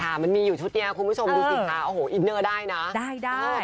มันมีอยู่ชุดนี้คุณผู้ชมดูสิคะโอ้โหอินเนอร์ได้นะได้ได้